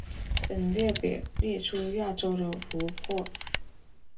本列表列出亚洲的湖泊。